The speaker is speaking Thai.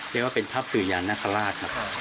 เรียกว่าเป็นภาพสื่อยานคราชครับ